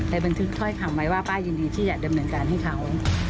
บันทึกถ้อยคำไว้ว่าป้ายินดีที่จะดำเนินการให้เขา